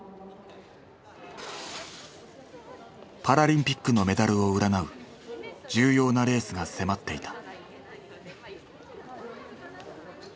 パラリンピックのメダルを占う重要なレースが迫っていた。